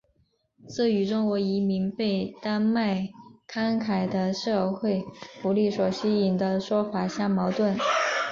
这与中国移民被丹麦慷慨的社会福利所吸引的说法相矛盾。